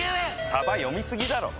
さば読みすぎだろ！